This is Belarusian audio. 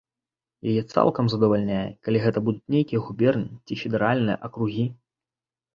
Яе цалкам задавальняе, калі гэта будуць нейкія губерні ці федэральныя акругі.